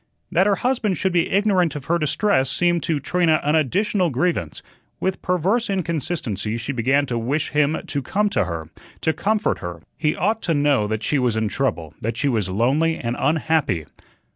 That her husband should be ignorant of her distress seemed to Trina an additional grievance. With perverse inconsistency she began to wish him to come to her, to comfort her. He ought to know that she was in trouble, that she was lonely and unhappy.